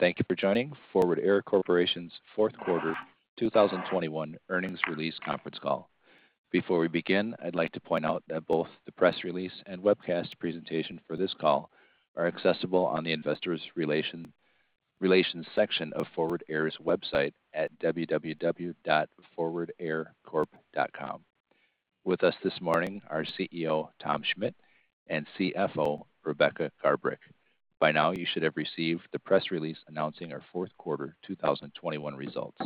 Thank you for joining Forward Air Corporation's fourth quarter 2021 earnings release conference call. Before we begin, I'd like to point out that both the press release and webcast presentation for this call are accessible on the investor relations section of Forward Air's website at www.forwardaircorp.com. With us this morning, our CEO, Tom Schmitt, and CFO, Rebecca Garbrick. By now, you should have received the press release announcing our fourth quarter 2021 results,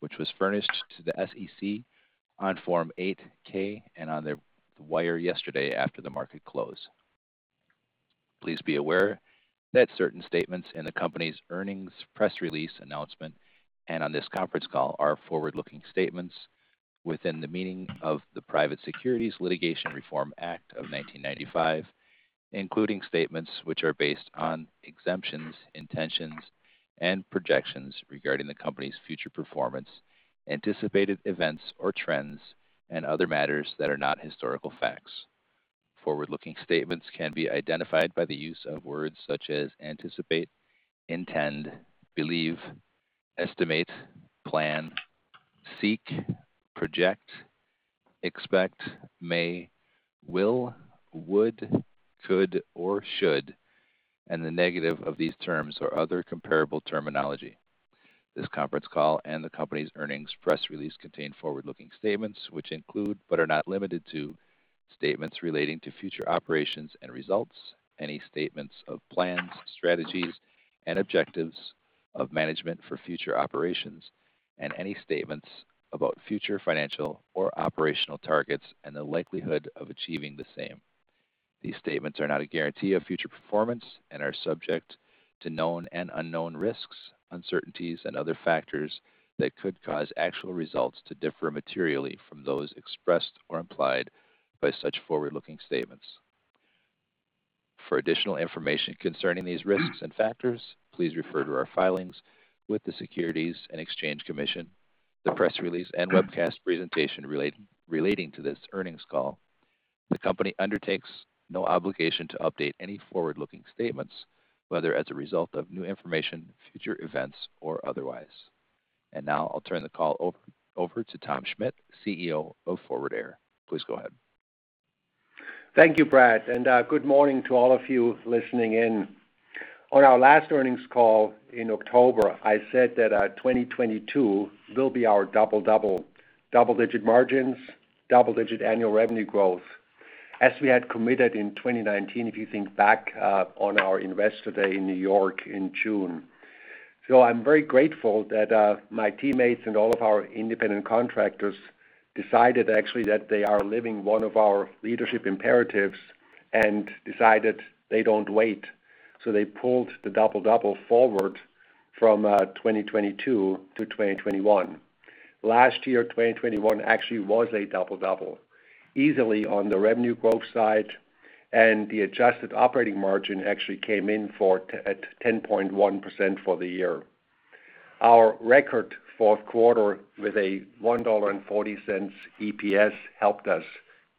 which was furnished to the SEC on Form 8-K and on the wire yesterday after the market closed. Please be aware that certain statements in the company's earnings press release announcement and on this conference call are forward-looking statements within the meaning of the Private Securities Litigation Reform Act of 1995, including statements which are based on exemptions, intentions, and projections regarding the company's future performance, anticipated events or trends, and other matters that are not historical facts. Forward-looking statements can be identified by the use of words such as anticipate, intend, believe, estimate, plan, seek, project, expect, may, will, would, could, or should, and the negative of these terms or other comparable terminology. This conference call and the company's earnings press release contain forward-looking statements, which include, but are not limited to, statements relating to future operations and results, any statements of plans, strategies, and objectives of management for future operations, and any statements about future financial or operational targets and the likelihood of achieving the same. These statements are not a guarantee of future performance and are subject to known and unknown risks, uncertainties, and other factors that could cause actual results to differ materially from those expressed or implied by such forward-looking statements. For additional information concerning these risks and factors, please refer to our filings with the Securities and Exchange Commission, the press release, and webcast presentation relating to this earnings call. The company undertakes no obligation to update any forward-looking statements, whether as a result of new information, future events, or otherwise. Now I'll turn the call over to Tom Schmitt, CEO of Forward Air. Please go ahead. Thank you, Brad, and good morning to all of you listening in. On our last earnings call in October, I said that 2022 will be our double double. Double-digit margins, double-digit annual revenue growth, as we had committed in 2019, if you think back on our Investor Day in New York in June. I'm very grateful that my teammates and all of our independent contractors decided actually that they are living one of our leadership imperatives and decided they don't wait. They pulled the double double forward from 2022 to 2021. Last year, 2021 actually was a double double, easily on the revenue growth side, and the adjusted operating margin actually came in at 10.1% for the year. Our record fourth quarter with a $1.40 EPS helped us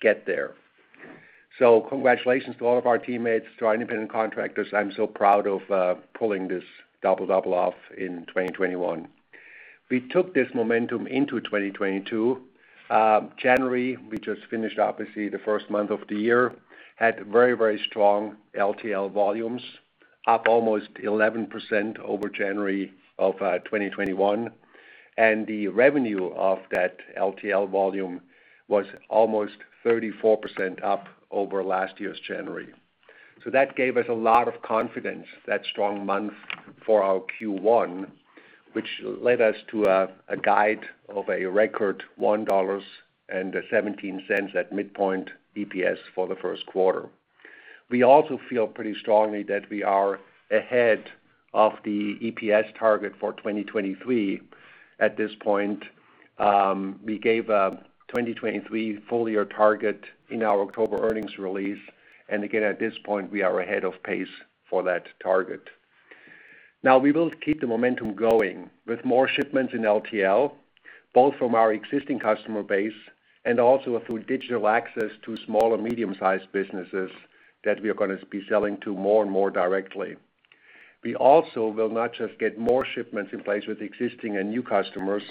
get there. Congratulations to all of our teammates, to our independent contractors. I'm so proud of pulling this double double off in 2021. We took this momentum into 2022. January, we just finished obviously the first month of the year, had very, very strong LTL volumes, up almost 11% over January of 2021. The revenue of that LTL volume was almost 34% up over last year's January. That gave us a lot of confidence, that strong month for our Q1, which led us to a guide of a record $1.17 at midpoint EPS for the first quarter. We also feel pretty strongly that we are ahead of the EPS target for 2023 at this point. We gave a 2023 full-year target in our October earnings release. Again, at this point, we are ahead of pace for that target. Now we will keep the momentum going with more shipments in LTL, both from our existing customer base and also through digital access to small and medium-sized businesses that we are going to be selling to more and more directly. We also will not just get more shipments in place with existing and new customers,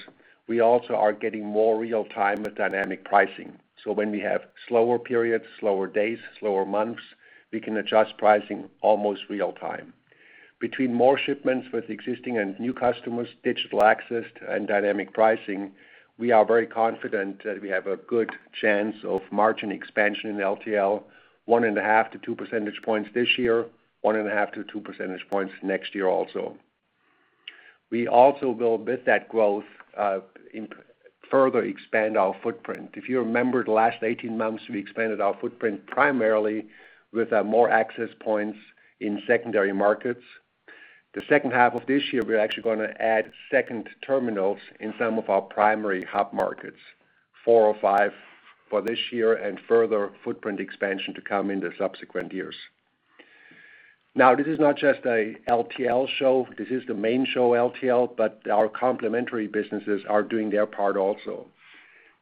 we also are getting more real-time dynamic pricing. When we have slower periods, slower days, slower months, we can adjust pricing almost real-time. Between more shipments with existing and new customers, digital access, and dynamic pricing, we are very confident that we have a good chance of margin expansion in LTL, 1.5-2 percentage points this year, 1.5-2 percentage points next year also. We also will, with that growth, further expand our footprint. If you remember the last 18 months, we expanded our footprint primarily with more access points in secondary markets. The second half of this year, we're actually going to add second terminals in some of our primary hub markets.four or five for this year and further footprint expansion to come in the subsequent years. Now, this is not just a LTL show. This is the main show LTL, but our complementary businesses are doing their part also.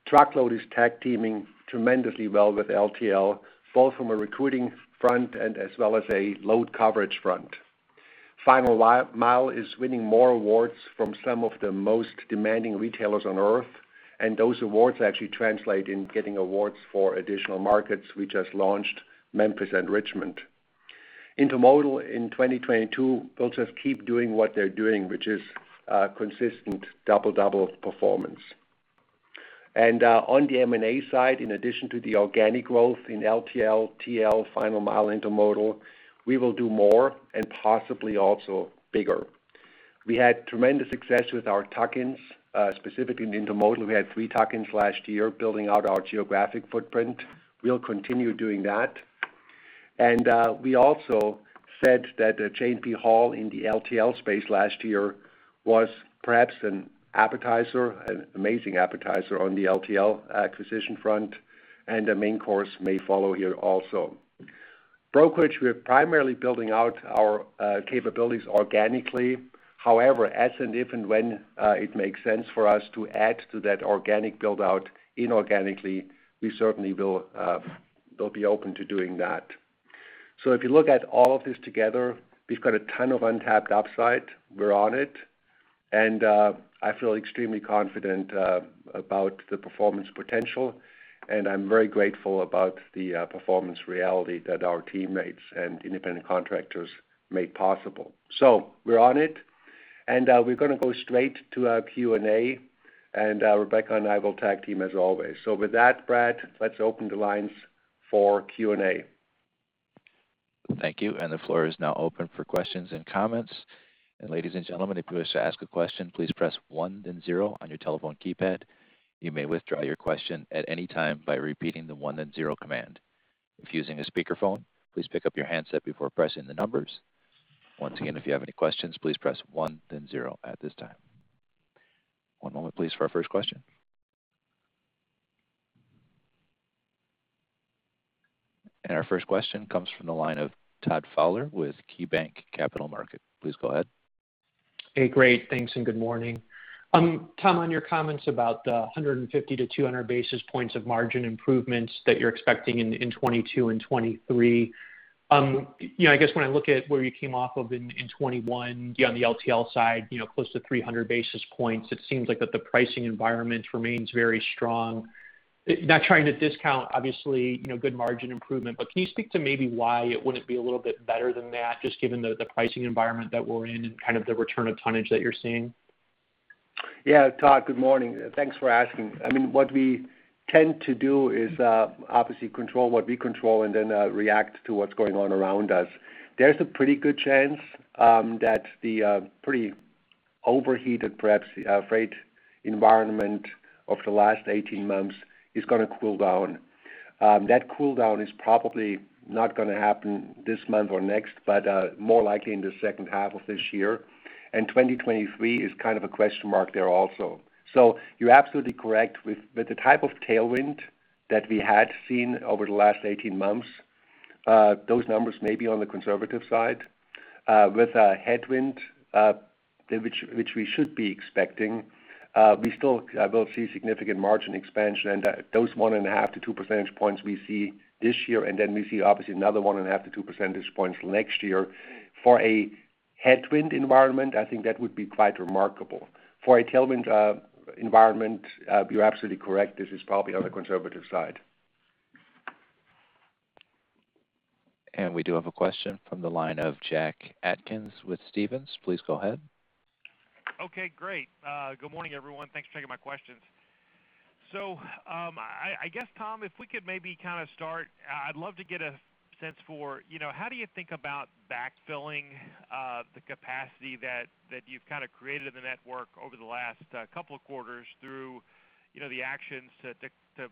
Truckload is tag teaming tremendously well with LTL, both from a recruiting front and as well as a load coverage front. Final mile is winning more awards from some of the most demanding retailers on Earth, and those awards actually translate into getting awards for additional markets. We just launched Memphis and Richmond. Intermodal in 2022, they'll just keep doing what they're doing, which is consistent double double performance. On the M&A side, in addition to the organic growth in LTL, TL, final mile intermodal, we will do more and possibly also bigger. We had tremendous success with our tuck-ins, specifically in intermodal. We had 3 tuck-ins last year building out our geographic footprint. We'll continue doing that. We also said that the J&P Hall in the LTL space last year was perhaps an appetizer, an amazing appetizer on the LTL acquisition front, and a main course may follow here also. Brokerage, we are primarily building out our capabilities organically. However, as and if and when it makes sense for us to add to that organic build-out inorganically, we certainly will be open to doing that. If you look at all of this together, we've got a ton of untapped upside. We're on it, and I feel extremely confident about the performance potential, and I'm very grateful about the performance reality that our teammates and independent contractors made possible. We're on it, and we're gonna go straight to our Q&A, and Rebecca and I will tag team as always. With that, Brad, let's open the lines for Q&A. Thank you. The floor is now open for questions and comments. Ladies and gentlemen, if you wish to ask a question, please press one then zero on your telephone keypad. You may withdraw your question at any time by repeating the one, then zero command. If using a speakerphone, please pick up your handset before pressing the numbers. Once again, if you have any questions, please press one then zero at this time. One moment please for our first question. Our first question comes from the line of Todd Fowler with KeyBanc Capital Markets. Please go ahead. Hey, great. Thanks, and good morning. Tom, on your comments about the 150-200 basis points of margin improvements that you're expecting in 2022 and 2023. You know, I guess when I look at where you came off of in 2021, on the LTL side, you know, close to 300 basis points, it seems like the pricing environment remains very strong. Not trying to discount obviously, you know, good margin improvement, but can you speak to maybe why it wouldn't be a little bit better than that, just given the pricing environment that we're in and kind of the return of tonnage that you're seeing? Yeah. Todd, good morning. Thanks for asking. I mean, what we tend to do is obviously control what we control and then react to what's going on around us. There's a pretty good chance that the pretty overheated, perhaps, freight environment of the last 18 months is gonna cool down. That cool down is probably not gonna happen this month or next, but more likely in the second half of this year. 2023 is kind of a question mark there also. You're absolutely correct. With the type of tailwind that we had seen over the last 18 months, those numbers may be on the conservative side with a headwind, which we should be expecting. We still will see significant margin expansion. Those 1.5-2 percentage points we see this year, and then we see obviously another 1.5-2 percentage points next year. For a headwind environment, I think that would be quite remarkable. For a tailwind environment, you're absolutely correct. This is probably on the conservative side. We do have a question from the line of Jack Atkins with Stephens. Please go ahead. Okay, great. Good morning, everyone. Thanks for taking my questions. I guess, Tom, if we could maybe kind of start, I'd love to get a sense for, you know, how do you think about backfilling the capacity that you've kind of created in the network over the last couple of quarters through, you know, the actions to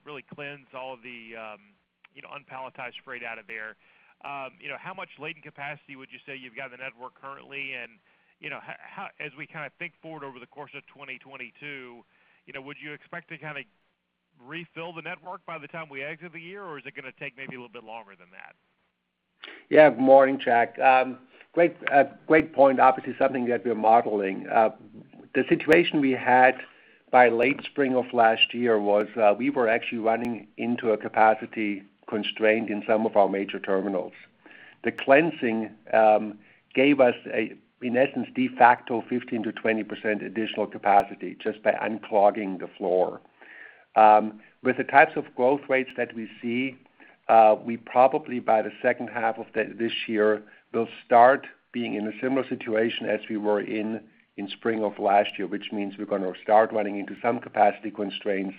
really cleanse all of the, you know, unpalletized freight out of there? You know, how much latent capacity would you say you've got in the network currently? And, you know, as we kind of think forward over the course of 2022, you know, would you expect to kind of refill the network by the time we exit the year, or is it gonna take maybe a little bit longer than that? Yeah. Morning, Jack. Great point. Obviously, something that we're modeling. The situation we had by late spring of last year was, we were actually running into a capacity constraint in some of our major terminals. The cleansing gave us a, in essence, de facto 15%-20% additional capacity just by unclogging the floor. With the types of growth rates that we see, we probably by the second half of this year will start being in a similar situation as we were in in spring of last year, which means we're gonna start running into some capacity constraints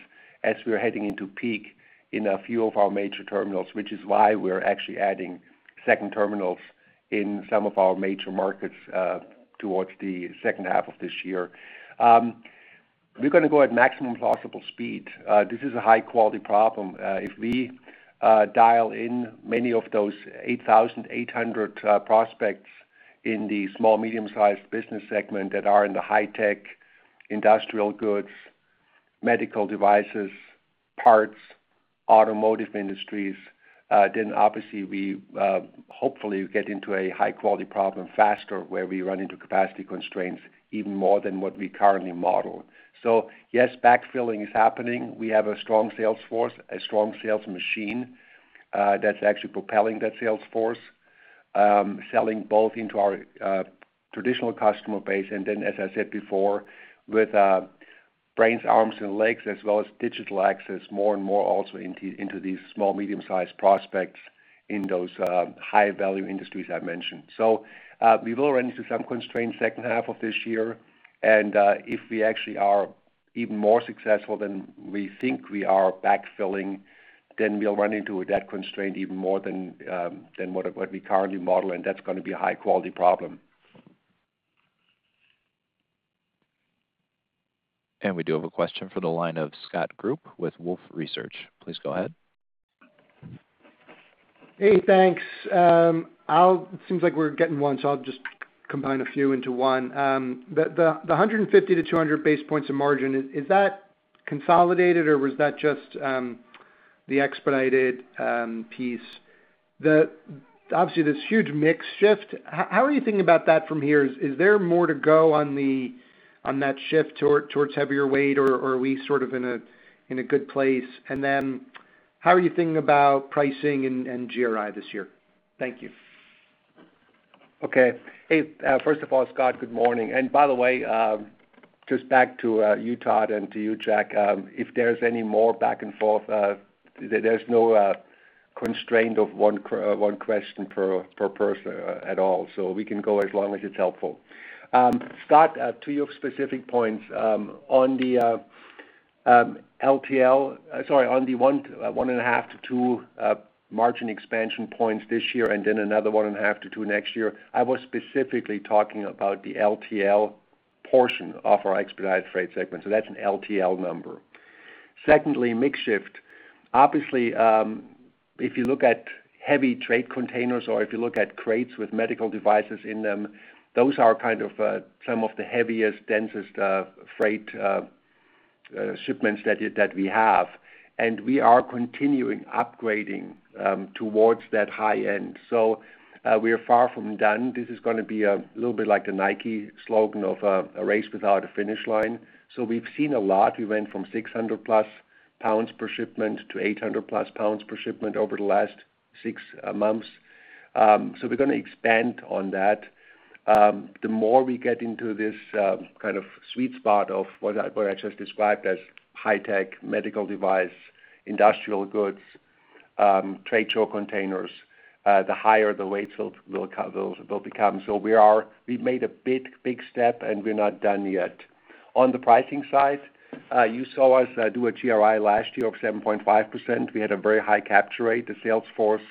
as we are heading into peak in a few of our major terminals, which is why we're actually adding second terminals in some of our major markets, towards the second half of this year. We're gonna go at maximum possible speed. This is a high quality problem. If we dial in many of those 8,800 prospects in the small medium sized business segment that are in the high tech, industrial goods, medical devices, parts, automotive industries, then obviously we hopefully get into a high quality problem faster where we run into capacity constraints even more than what we currently model. Yes, backfilling is happening. We have a strong sales force, a strong sales machine that's actually propelling that sales force, selling both into our traditional customer base. As I said before, with brains, arms, and legs, as well as digital access more and more also into these small medium-sized prospects in those high-value industries I mentioned. We will run into some constraints second half of this year. If we actually are even more successful than we think we are backfilling, then we'll run into that constraint even more than what we currently model, and that's gonna be a high-quality problem. We do have a question for the line of Scott Group with Wolfe Research. Please go ahead. Hey, thanks. It seems like we're getting one, so I'll just combine a few into one. The 150-200 basis points of margin, is that consolidated or was that just the expedited piece? Obviously this huge mix shift, how are you thinking about that from here? Is there more to go on that shift towards heavier weight or are we sort of in a good place? How are you thinking about pricing and GRI this year? Thank you. Okay. Hey, first of all, Scott, good morning. By the way, just back to you, Todd, and to you, Jack, if there's any more back and forth, there's no constraint of one question per person at all. We can go as long as it's helpful. Scott, to your specific points, on the LTL—sorry, on the 1.5%-2% margin expansion points this year, and then another 1.5%-2% next year, I was specifically talking about the LTL portion of our expedited freight segment. That's an LTL number. Secondly, mix shift. Obviously, if you look at heavy trade containers or if you look at crates with medical devices in them, those are kind of some of the heaviest, densest freight shipments that we have. We are continuing upgrading towards that high end. We are far from done. This is gonna be a little bit like the Nike slogan of a race without a finish line. We've seen a lot. We went from 600+ pounds per shipment to 800+ pounds per shipment over the last 6 months. We're gonna expand on that. The more we get into this kind of sweet spot of what I just described as high-tech medical device, industrial goods, trade show containers, the higher the weights will become. We've made a big, big step, and we're not done yet. On the pricing side, you saw us do a GRI last year of 7.5%. We had a very high capture rate. The sales force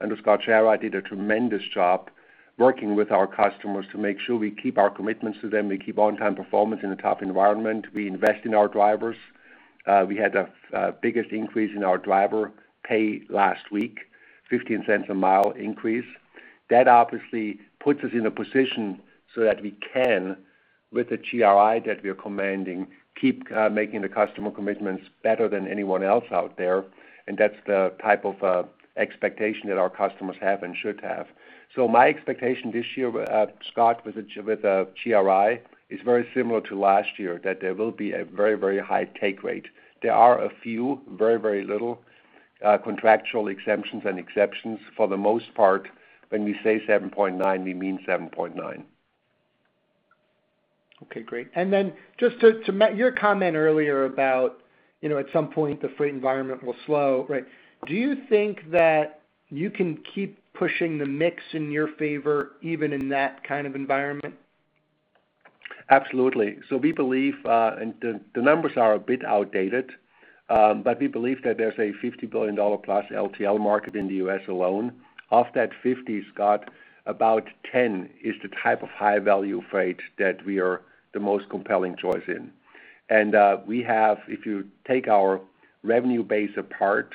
under Shawn Stewart did a tremendous job working with our customers to make sure we keep our commitments to them. We keep on-time performance in a tough environment. We invest in our drivers. We had the biggest increase in our driver pay last week, $0.15 a mile increase. That obviously puts us in a position so that we can, with the GRI that we are commanding, keep making the customer commitments better than anyone else out there. That's the type of expectation that our customers have and should have. My expectation this year, Scott, with the GRI is very similar to last year, that there will be a very, very high take rate. There are a few very, very little contractual exemptions and exceptions. For the most part, when we say 7.9%, we mean 7.9%. Okay, great. Just to me, your comment earlier about, you know, at some point the freight environment will slow, right? Do you think that you can keep pushing the mix in your favor even in that kind of environment? Absolutely. We believe the numbers are a bit outdated, but we believe that there's a $50 billion-plus LTL market in the U.S. alone. Of that $50 billion, Scott, about $10 billion is the type of high-value freight that we are the most compelling choice in. We have, if you take our revenue base apart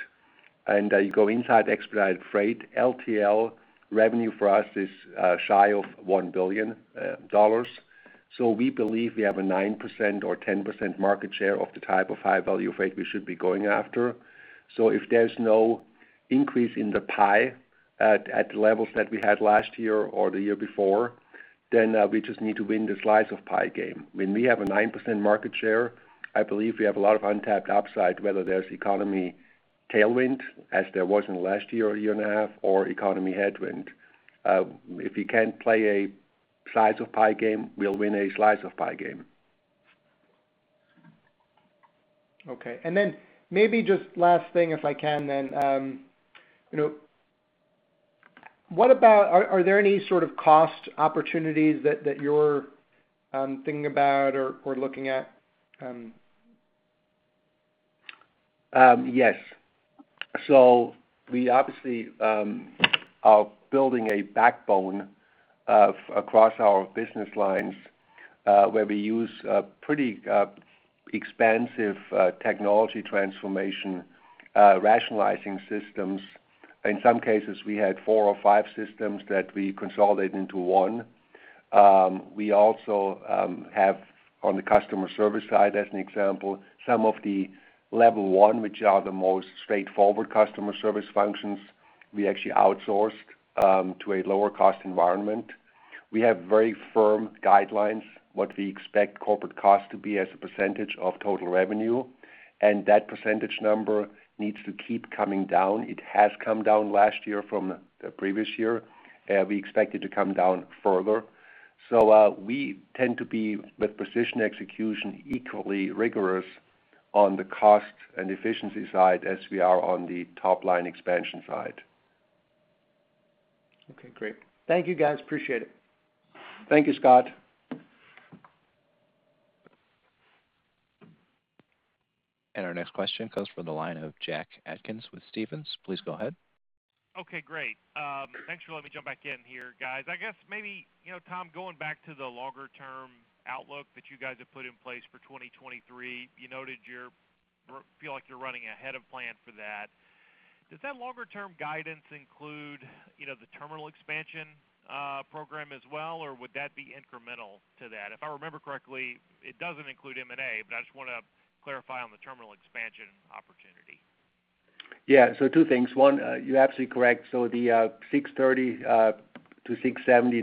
and you go inside expedited freight, LTL revenue for us is shy of $1 billion. We believe we have a 9% or 10% market share of the type of high-value freight we should be going after. If there's no increase in the pie at the levels that we had last year or the year before, then we just need to win the slice of pie game. When we have a 9% market share, I believe we have a lot of untapped upside, whether there's economy tailwind, as there was in last year or a year and a half, or economy headwind. If you can't play a size of pie game, we'll win a slice of pie game. Okay. Maybe just last thing if I can then, you know, what about? Are there any sort of cost opportunities that you're thinking about or looking at? Yes. We obviously are building a backbone across our business lines, where we use a pretty expansive technology transformation, rationalizing systems. In some cases, we had four or five systems that we consolidate into one. We also have on the customer service side, as an example, some of the level one, which are the most straightforward customer service functions, we actually outsourced to a lower cost environment. We have very firm guidelines, what we expect corporate costs to be as a percentage of total revenue, and that percentage number needs to keep coming down. It has come down last year from the previous year. We expect it to come down further. We tend to be with precision execution, equally rigorous on the cost and efficiency side as we are on the top line expansion side. Okay, great. Thank you, guys. Appreciate it. Thank you, Scott. Our next question comes from the line of Jack Atkins with Stephens. Please go ahead. Okay, great. Thanks for letting me jump back in here, guys. I guess maybe, you know, Tom, going back to the longer term outlook that you guys have put in place for 2023, you noted you feel like you're running ahead of plan for that. Does that longer term guidance include, you know, the terminal expansion program as well, or would that be incremental to that? If I remember correctly, it doesn't include M&A, but I just wanna clarify on the terminal expansion opportunity. Yeah. Two things. One, you're absolutely correct. The $630-$670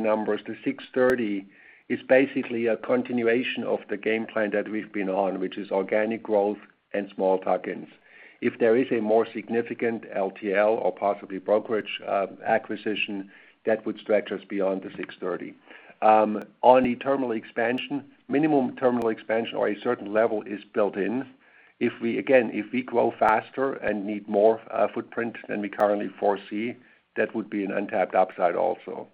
numbers. The $630 is basically a continuation of the game plan that we've been on, which is organic growth and small tuck-ins. If there is a more significant LTL or possibly brokerage acquisition, that would stretch us beyond the $630. On the terminal expansion, minimum terminal expansion or a certain level is built in. If we grow faster and need more footprint than we currently foresee, that would be an untapped upside also.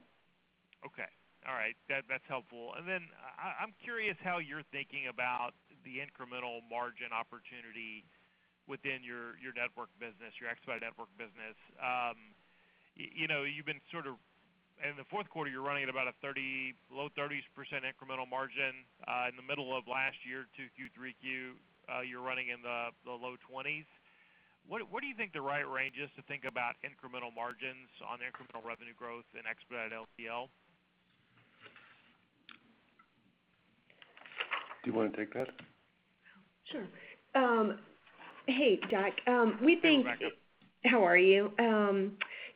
Okay. All right. That's helpful. I'm curious how you're thinking about the incremental margin opportunity within your network business, your expedite network business. You know, you've been in the fourth quarter running at about a low 30s% incremental margin. In the middle of last year, Q2, Q3, you're running in the low 20s. What do you think the right range is to think about incremental margins on incremental revenue growth in expedite LTL? Do you wa na take that? Sure. Hey, Jack. We think- Hey, Rebecca. How are you?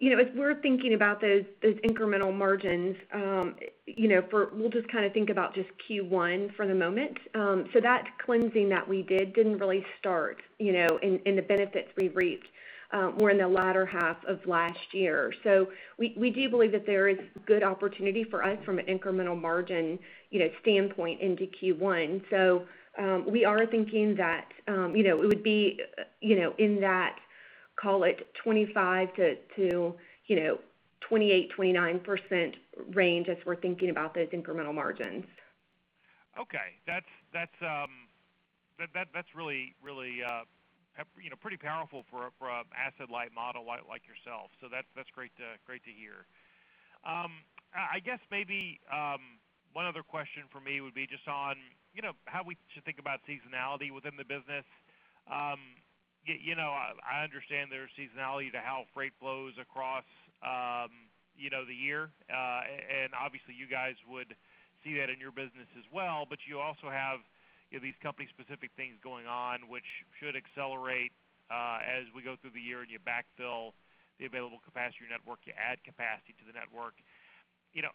You know, as we're thinking about those incremental margins, you know, we'll just kinda think about just Q1 for the moment. That cleansing that we did didn't really start, you know, and the benefits we reaped were in the latter half of last year. We do believe that there is good opportunity for us from an incremental margin, you know, standpoint into Q1. We are thinking that, you know, it would be, you know, in that, call it 25% to 28, 29% range as we're thinking about those incremental margins. Okay. That's really you know pretty powerful for a asset-light model like yourself. So that's great to hear. I guess maybe one other question from me would be just on you know how we should think about seasonality within the business. You know I understand there's seasonality to how freight flows across you know the year. Obviously you guys would see that in your business as well, but you also have you know these company specific things going on, which should accelerate as we go through the year and you backfill the available capacity network, you add capacity to the network. You know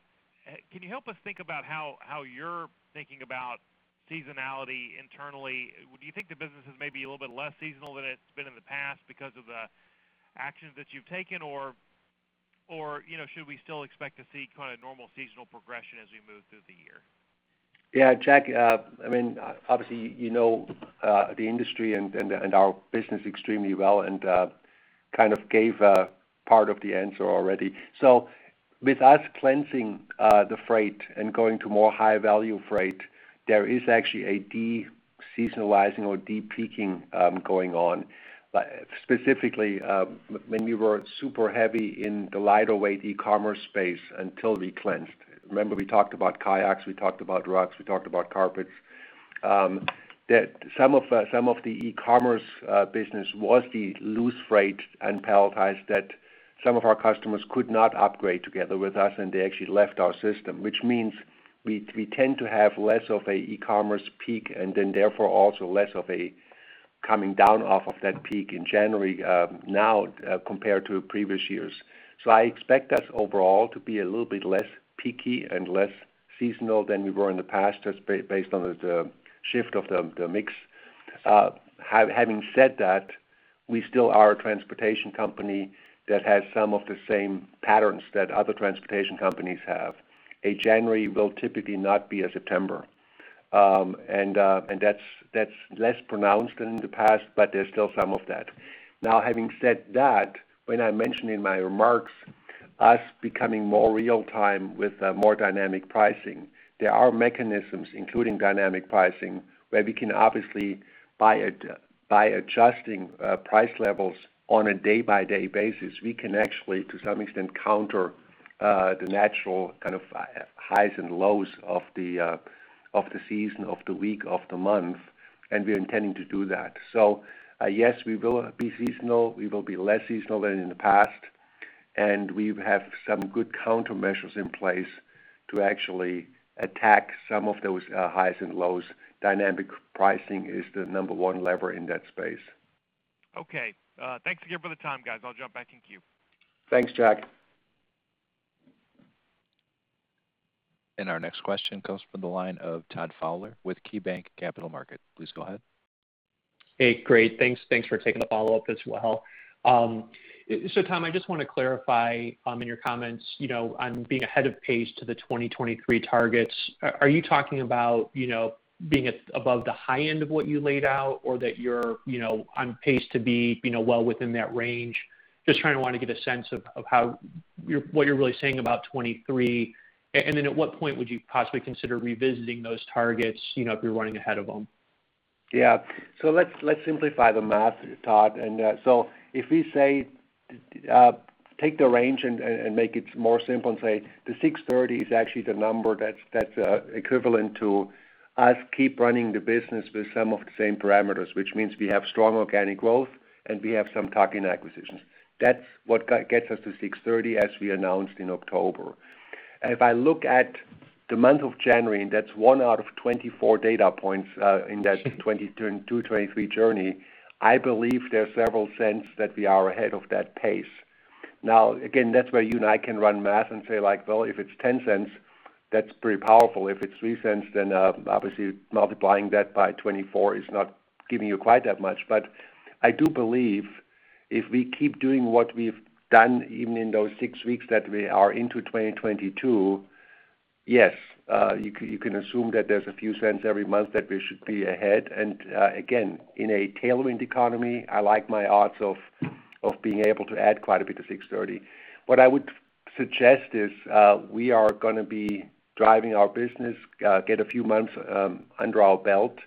can you help us think about how you're thinking about seasonality internally? Do you think the business is maybe a little bit less seasonal than it's been in the past because of the actions that you've taken or, you know, should we still expect to see kind of normal seasonal progression as we move through the year? Yeah, Jack, I mean, obviously, you know, the industry and our business extremely well and kind of gave part of the answer already. With us cleansing the freight and going to more high value freight, there is actually a deseasonalizing or depeaking going on. Specifically, when we were super heavy in the lighter weight e-commerce space until we cleansed. Remember we talked about kayaks, we talked about rugs, we talked about carpets. That some of the e-commerce business was the loose freight and palletized that some of our customers could not upgrade together with us, and they actually left our system, which means we tend to have less of an e-commerce peak and then therefore also less of a coming down off of that peak in January, now compared to previous years. I expect us overall to be a little bit less peaky and less seasonal than we were in the past just based on the shift of the mix. Having said that, we still are a transportation company that has some of the same patterns that other transportation companies have. A January will typically not be a September. That's less pronounced than in the past, but there's still some of that. Now, having said that, when I mentioned in my remarks us becoming more real-time with more dynamic pricing, there are mechanisms, including dynamic pricing, where we can obviously by adjusting price levels on a day-by-day basis, we can actually, to some extent, counter the natural kind of highs and lows of the season, of the week, of the month. We're intending to do that. Yes, we will be seasonal. We will be less seasonal than in the past, and we have some good countermeasures in place to actually attack some of those, highs and lows. Dynamic pricing is the number one lever in that space. Okay. Thanks again for the time, guys. I'll jump back in queue. Thanks, Jack. Our next question comes from the line of Todd Fowler with KeyBanc Capital Markets. Please go ahead. Hey, great. Thanks. Thanks for taking the follow-up as well. So Tom, I just want to clarify, in your comments, you know, on being ahead of pace to the 2023 targets. Are you talking about, you know, being above the high end of what you laid out or that you're, you know, on pace to be, you know, well within that range? Just trying to get a sense of what you're really saying about 2023, and then at what point would you possibly consider revisiting those targets, you know, if you're running ahead of them? Yeah. Let's simplify the math, Todd. If we say take the range and make it more simple and say the $6.30 is actually the number that's equivalent to us keep running the business with some of the same parameters, which means we have strong organic growth and we have some tuck-in acquisitions. That's what gets us to $6.30, as we announced in October. If I look at the month of January, and that's 1 out of 24 data points in that 23 journey, I believe there are several cents that we are ahead of that pace. Now, again, that's where you and I can run math and say, like, well, if it's $0.10, that's pretty powerful. If it's $0.03, then obviously multiplying that by 24 is not giving you quite that much. I do believe if we keep doing what we've done even in those six weeks that we are into 2022, yes, you can assume that there's a few cents every month that we should be ahead. Again, in a tailwind economy, I like my odds of being able to add quite a bit to $0.63. What I would suggest is, we are gonna be driving our business, get a few months under our belt.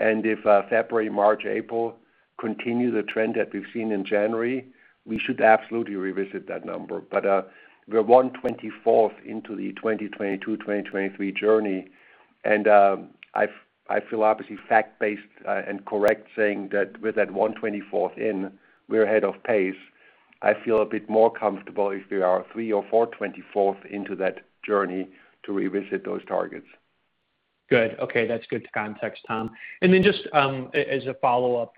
If February, March, April continue the trend that we've seen in January, we should absolutely revisit that number. We're 1/24th into the 2022-2023 journey, and I feel obviously fact-based and correct saying that with that 1/24th in, we're ahead of pace. I feel a bit more comfortable if we are three or four quarters into that journey to revisit those targets. Good. Okay. That's good context, Tom. Just as a follow-up,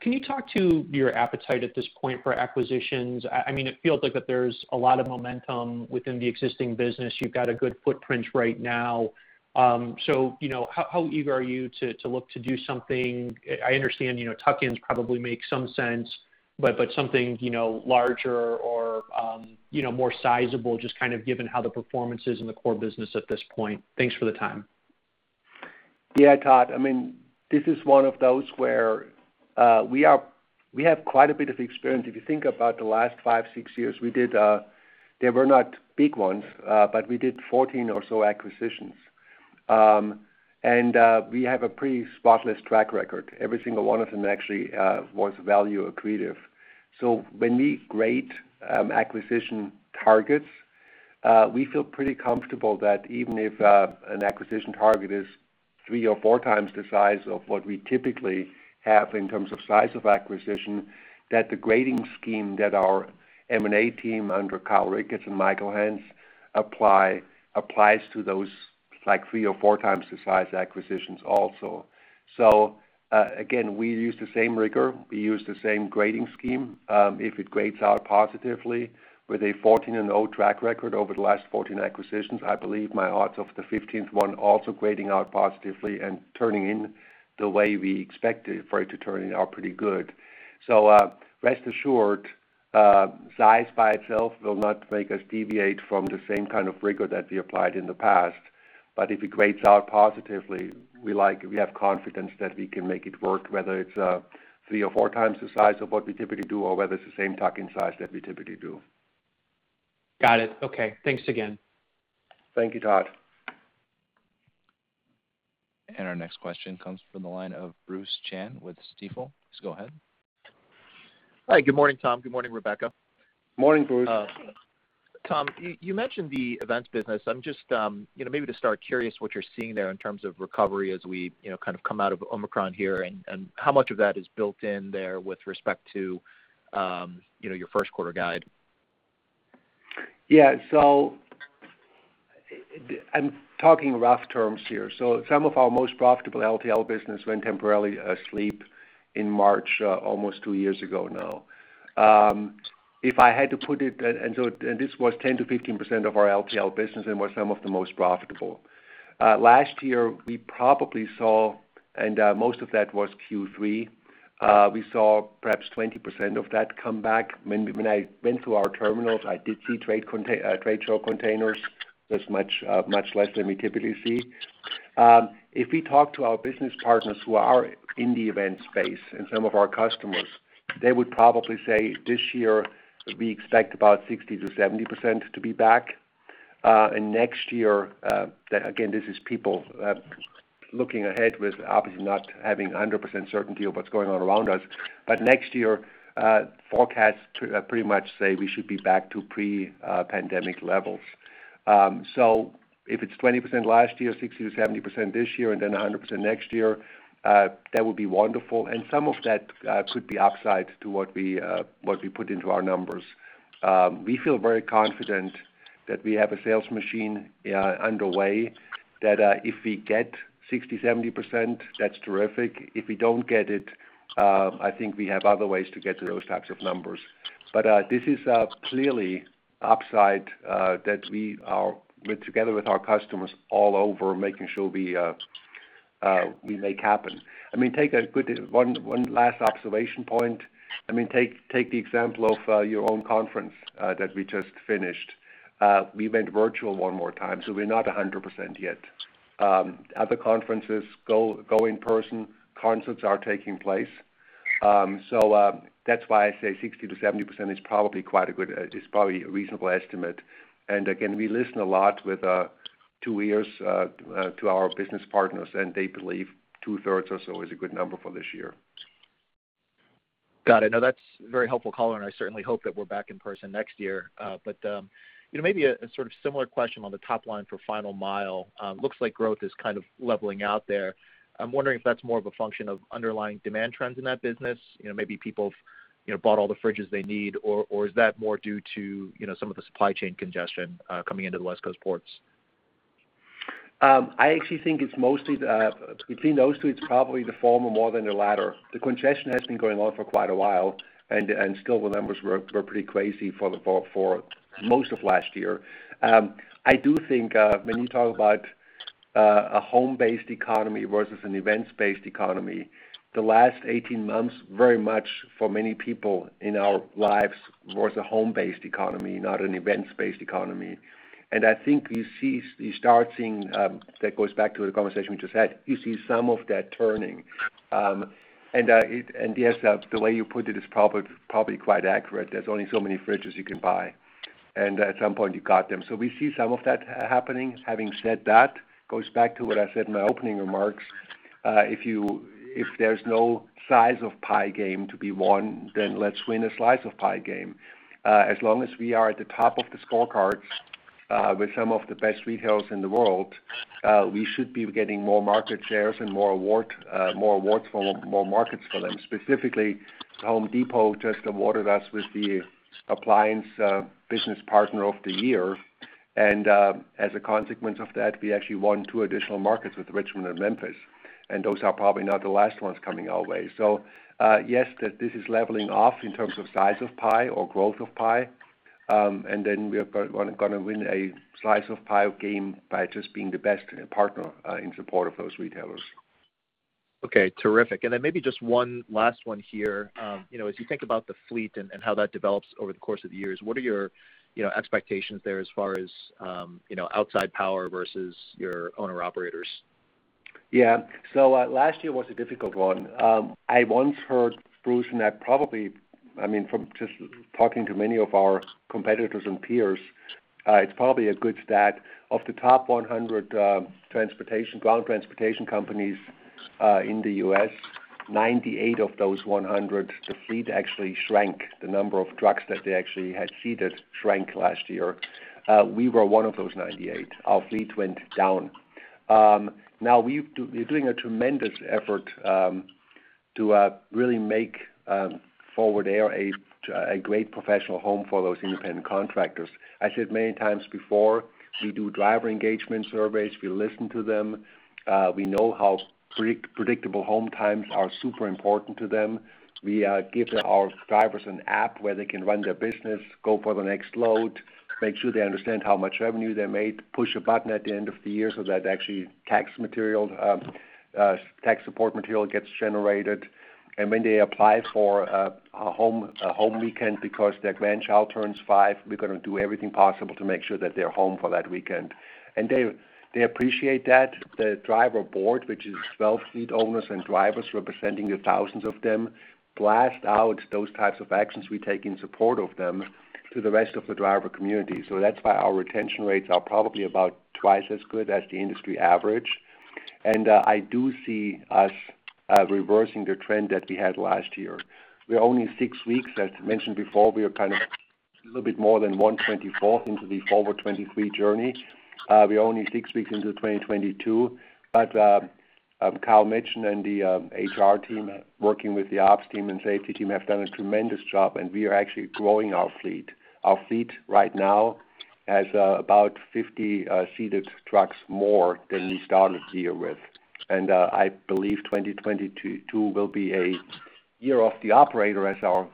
can you talk to your appetite at this point for acquisitions? I mean, it feels like that there's a lot of momentum within the existing business. You've got a good footprint right now. You know, how eager are you to look to do something? I understand, you know, tuck-ins probably make some sense, but something, you know, larger or more sizable, just kind of given how the performance is in the core business at this point. Thanks for the time. Yeah, Todd. I mean, this is one of those where we have quite a bit of experience. If you think about the last five, six years, we did, they were not big ones, but we did 14 or so acquisitions. We have a pretty spotless track record. Every single one of them actually was value accretive. When we grade acquisition targets, we feel pretty comfortable that even if an acquisition target is three or four times the size of what we typically have in terms of size of acquisition, that the grading scheme that our M&A team under Kyle Ricketts and Michael Hance applies to those, like, three or four times the size acquisitions also. Again, we use the same rigor, we use the same grading scheme. If it grades out positively with a 14-0 track record over the last 14 acquisitions, I believe my odds of the 15th one also grading out positively and turning in the way we expect it, for it to turn in are pretty good. Rest assured, size by itself will not make us deviate from the same kind of rigor that we applied in the past. If it grades out positively, we have confidence that we can make it work, whether it's three or four times the size of what we typically do or whether it's the same tuck-in size that we typically do. Got it. Okay. Thanks again. Thank you, Todd. Our next question comes from the line of Bruce Chan with Stifel. Please go ahead. Hi. Good morning, Tom. Good morning, Rebecca. Morning, Bruce. Tom, you mentioned the events business. I'm just, you know, maybe to start curious what you're seeing there in terms of recovery as we, you know, kind of come out of Omicron here and how much of that is built in there with respect to, you know, your first quarter guide. I'm talking rough terms here. Some of our most profitable LTL business went temporarily asleep in March, almost two years ago now. This was 10%-15% of our LTL business and were some of the most profitable. Last year, most of that was Q3. We saw perhaps 20% of that come back. When I went through our terminals, I did see trade show containers. There's much less than we typically see. If we talk to our business partners who are in the event space and some of our customers, they would probably say this year we expect about 60%-70% to be back. Next year, again, this is people looking ahead with obviously not having 100% certainty of what's going on around us. Next year, forecasts pretty much say we should be back to pre-pandemic levels. If it's 20% last year, 60%-70% this year, and then 100% next year, that would be wonderful. Some of that could be upside to what we put into our numbers. We feel very confident that we have a sales machine underway that, if we get 60%-70%, that's terrific. If we don't get it, I think we have other ways to get to those types of numbers. This is clearly upside together with our customers all over, making sure we make happen. I mean, take one last observation point. I mean, take the example of your own conference that we just finished. We went virtual one more time, so we're not 100% yet. Other conferences go in person. Concerts are taking place. That's why I say 60%-70% is probably a reasonable estimate. Again, we listen a lot with two ears to our business partners, and they believe two-thirds or so is a good number for this year. Got it. No, that's a very helpful color, and I certainly hope that we're back in person next year. You know, maybe a sort of similar question on the top line for final mile. Looks like growth is kind of leveling out there. I'm wondering if that's more of a function of underlying demand trends in that business. You know, maybe people have, you know, bought all the fridges they need, or is that more due to, you know, some of the supply chain congestion coming into the West Coast ports? I actually think it's mostly between those two, it's probably the former more than the latter. The congestion has been going on for quite a while, and still the numbers were pretty crazy for most of last year. I do think when you talk about a home-based economy versus an events-based economy, the last 18 months, very much for many people in our lives, was a home-based economy, not an events-based economy. I think you start seeing that goes back to the conversation we just had. You see some of that turning. Yes, the way you put it is probably quite accurate. There's only so many fridges you can buy, and at some point you got them. We see some of that happening. Having said that, it goes back to what I said in my opening remarks. If there's no size of pie game to be won, then let's win a slice of pie game. As long as we are at the top of the scorecards with some of the best retailers in the world, we should be getting more market shares and more awards for more markets for them. Specifically, Home Depot just awarded us with the Appliance Business Partner of the Year. As a consequence of that, we actually won two additional markets with Richmond and Memphis, and those are probably not the last ones coming our way. Yes, that this is leveling off in terms of size of pie or growth of pie. We are gonna win a slice of pie game by just being the best partner in support of those retailers. Okay, terrific. Then maybe just one last one here. You know, as you think about the fleet and how that develops over the course of the years, what are your, you know, expectations there as far as, you know, outside power versus your owner-operators? Yeah. Last year was a difficult one. I once heard Bruce, and that probably, I mean, from just talking to many of our competitors and peers, it's probably a good stat. Of the top 100 ground transportation companies in the U.S., 98 of those 100, the fleet actually shrank. The number of trucks that they actually had seated shrank last year. We were one of those 98. Our fleet went down. Now we're doing a tremendous effort to really make Forward Air a great professional home for those independent contractors. I said many times before, we do driver engagement surveys. We listen to them. We know how predictable home times are super important to them. We give our drivers an app where they can run their business, go for the next load, make sure they understand how much revenue they made, push a button at the end of the year so that actually tax support material gets generated. When they apply for a home weekend because their grandchild turns five, we're gonna do everything possible to make sure that they're home for that weekend. They appreciate that. The driver board, which is 12 fleet owners and drivers representing the thousands of them, blast out those types of actions we take in support of them to the rest of the driver community. That's why our retention rates are probably about twice as good as the industry average. I do see us reversing the trend that we had last year. As mentioned before, we are kind of a little bit more than 1/24 into the Forward 2023 journey. We're only six weeks into 2022. Kyle Mutchler and the HR team working with the ops team and safety team have done a tremendous job, and we are actually growing our fleet. Our fleet right now has about 50 seated trucks more than we started the year with. I believe 2022 will be a year of the operator as our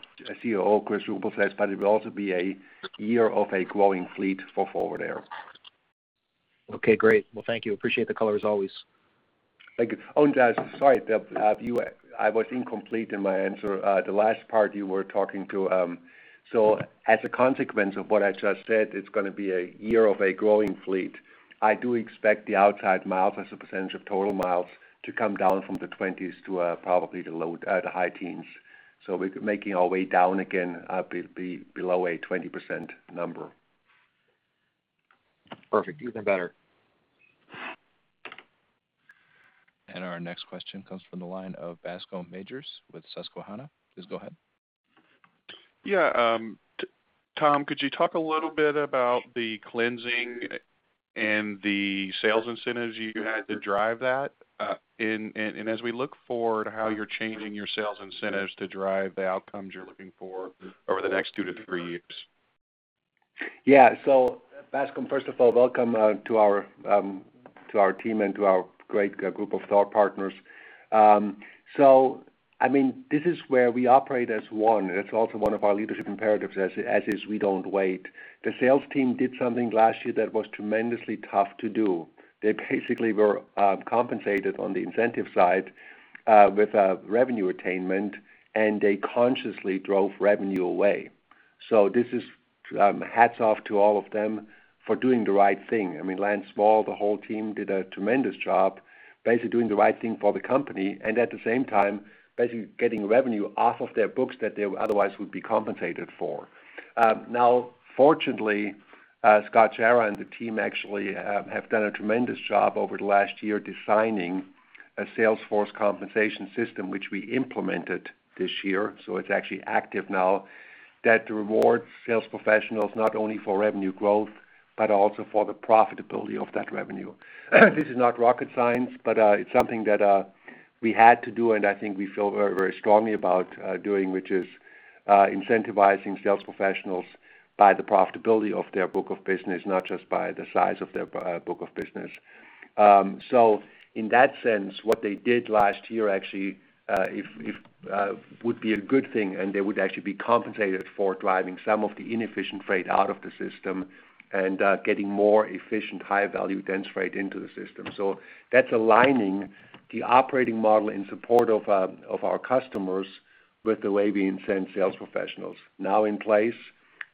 CEO, Chris Ruble says, but it will also be a year of a growing fleet for Forward Air. Okay, great. Well, thank you. Appreciate the color as always. Thank you. Oh, and, sorry, Deb. I was incomplete in my answer. The last part you were talking to, so as a consequence of what I just said, it's gonna be a year of a growing fleet. I do expect the outside miles as a percentage of total miles to come down from the 20s to probably the high teens. We're making our way down again, be below a 20% number. Perfect. Even better. Our next question comes from the line of Bascom Majors with Susquehanna. Please go ahead. Yeah. Tom, could you talk a little bit about the cleansing and the sales incentives you had to drive that? As we look forward, how you're changing your sales incentives to drive the outcomes you're looking for over the next two-three years. Yeah. Bascome Majors, first of all, welcome to our team and to our great group of thought partners. I mean, this is where we operate as one, and it's also one of our leadership imperatives, as is, we don't wait. The sales team did something last year that was tremendously tough to do. They basically were compensated on the incentive side with revenue attainment, and they consciously drove revenue away. This is hats off to all of them for doing the right thing. I mean, Lance Small, the whole team did a tremendous job basically doing the right thing for the company and at the same time, basically getting revenue off of their books that they otherwise would be compensated for. Now fortunately, Shawn Stewart and the team actually have done a tremendous job over the last year designing a sales force compensation system, which we implemented this year, so it's actually active now, that rewards sales professionals not only for revenue growth but also for the profitability of that revenue. This is not rocket science, but it's something that we had to do, and I think we feel very, very strongly about doing, which is incentivizing sales professionals by the profitability of their book of business, not just by the size of their book of business. In that sense, what they did last year actually would be a good thing, and they would actually be compensated for driving some of the inefficient freight out of the system and getting more efficient, higher value dense freight into the system. That's aligning the operating model in support of our customers with the way we incent sales professionals. Now in place,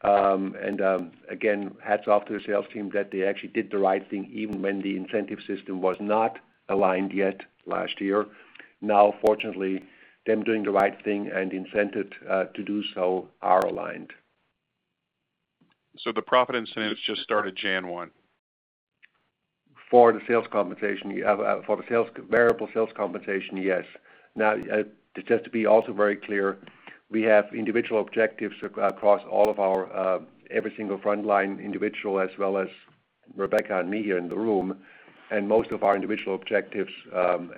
again, hats off to the sales team that they actually did the right thing even when the incentive system was not aligned yet last year. Now, fortunately, them doing the right thing and incented to do so are aligned. The profit incentives just started January one? For the sales compensation, yeah. Variable sales compensation, yes. Now, just to be also very clear, we have individual objectives across all of our every single frontline individual as well as Rebecca and me here in the room. Most of our individual objectives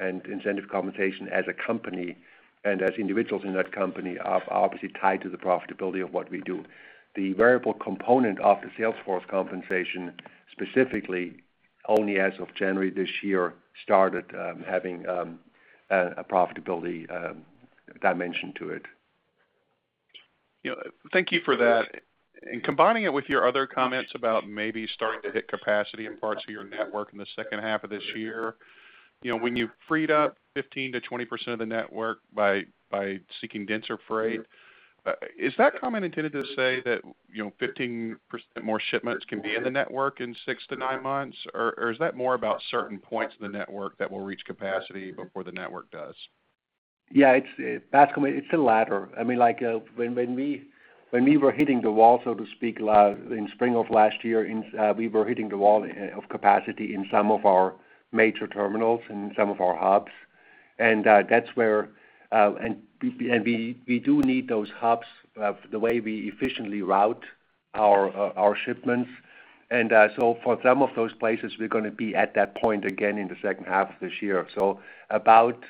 and incentive compensation as a company and as individuals in that company are obviously tied to the profitability of what we do. The variable component of the sales force compensation, specifically only as of January this year, started having a profitability dimension to it. Thank you for that. Combining it with your other comments about maybe starting to hit capacity in parts of your network in the second half of this year, you know, when you freed up 15%-20% of the network by seeking denser freight, is that comment intended to say that, you know, 15% more shipments can be in the network in six-nine months? Or is that more about certain points in the network that will reach capacity before the network does? Yeah, it's Bascome, it's the latter. I mean, like, when we were hitting the wall, so to speak, in spring of last year, we were hitting the wall of capacity in some of our major terminals and some of our hubs. That's where we do need those hubs, the way we efficiently route our shipments. For some of those places, we're gonna be at that point again in the second half of this year. About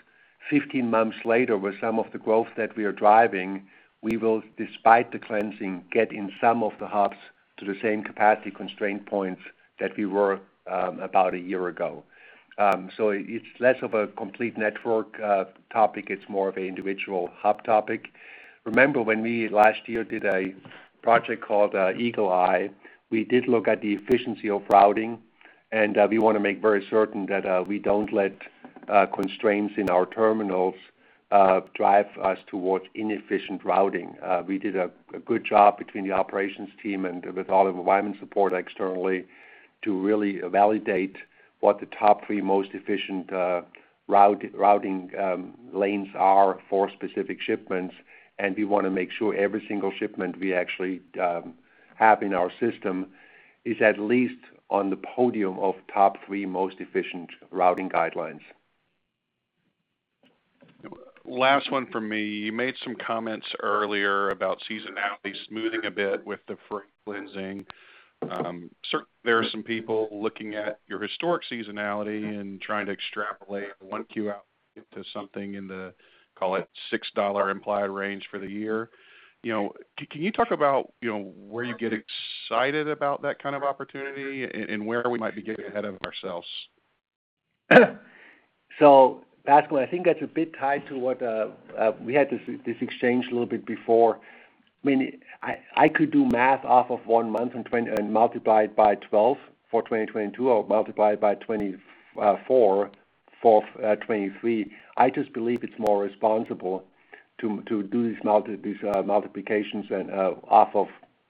15 months later, with some of the growth that we are driving, we will, despite the cleansing, get in some of the hubs to the same capacity constraint points that we were about a year ago. It's less of a complete network topic. It's more of an individual hub topic. Remember when we last year did a project called Eagle Eye. We did look at the efficiency of routing, and we want to make very certain that we don't let constraints in our terminals drive us towards inefficient routing. We did a good job between the operations team and with all the environment support externally to really validate what the top three most efficient routing lanes are for specific shipments, and we want to make sure every single shipment we actually have in our system is at least on the podium of top three most efficient routing guidelines. Last one from me. You made some comments earlier about seasonality smoothing a bit with the freight cleansing. There are some people looking at your historic seasonality and trying to extrapolate one Q out into something in the, call it, $6 implied range for the year. You know, can you talk about, you know, where you get excited about that kind of opportunity and where we might be getting ahead of ourselves? Bascome, I think that's a bit tied to what we had, this exchange a little bit before. I mean, I could do math off of one month and multiply it by 12 for 2022, or multiply it by 24 for 2023. I just believe it's more responsible to do these multiplications off of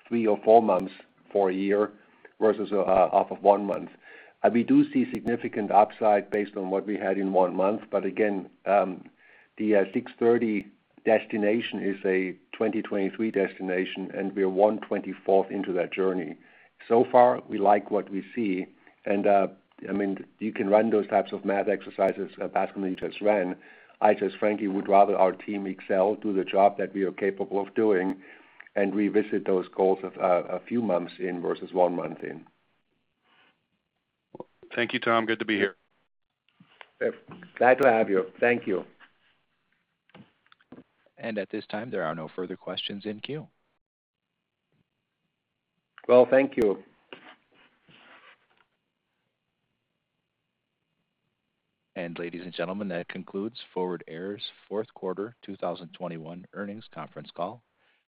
3 or 4 months for a year versus off of one month. We do see significant upside based on what we had in one month. But again, the 630 destination is a 2023 destination, and we're 1/24 into that journey. So far, we like what we see. I mean, you can run those types of math exercises, Bascome, that you just ran. I just frankly would rather our team excel, do the job that we are capable of doing, and revisit those goals a few months in versus one month in. Thank you, Tom. Good to be here. Glad to have you. Thank you. At this time, there are no further questions in queue. Well, thank you. Ladies and gentlemen, that concludes Forward Air's fourth quarter 2021 earnings conference call.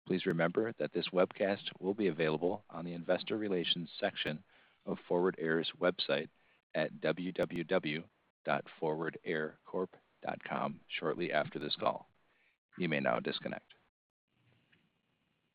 Please remember that this webcast will be available on the investor relations section of Forward Air's website at www.forwardaircorp.com shortly after this call. You may now disconnect.